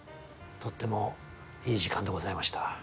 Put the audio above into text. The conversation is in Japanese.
とってもいい時間でございました。